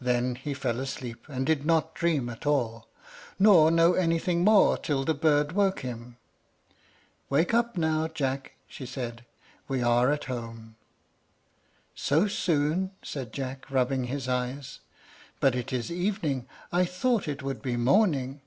Then he fell asleep, and did not dream at all, nor know anything more till the bird woke him. "Wake up now, Jack," she said; "we are at home." "So soon!" said Jack, rubbing his eyes. "But it is evening; I thought it would be morning."